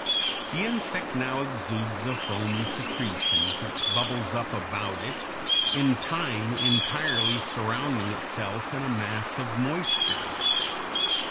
The insect now exudes a foamy secretion which bubbles up about it, in time entirely surrounding itself in a mass of moisture.